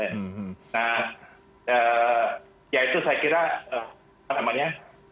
nah ya itu saya kira apa namanya